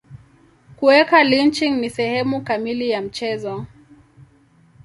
Kuweka lynching ni sehemu kamili ya mchezo.